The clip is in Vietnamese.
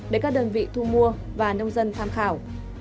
để các đơn vị thu mua và nông dân tham khảo